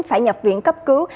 phải nhập viện cấp cứu